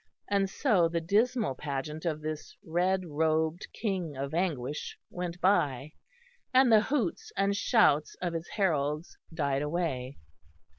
And so the dismal pageant of this red robed king of anguish went by; and the hoots and shouts of his heralds died away.